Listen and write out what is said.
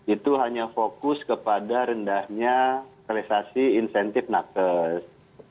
itu hanya fokus kepada rendahnya realisasi insentif nakes